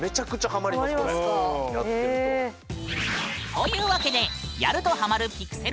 というわけでやるとハマるピクセル